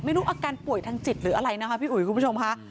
อาการป่วยทางจิตหรืออะไรนะคะพี่อุ๋ยคุณผู้ชมค่ะ